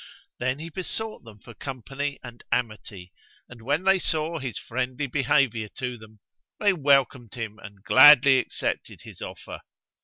Then he besought them for company and amity and, when they saw his friendly behaviour to them, they welcomed him and gladly accepted his offer.